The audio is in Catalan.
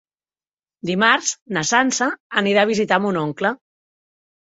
Dimarts na Sança anirà a visitar mon oncle.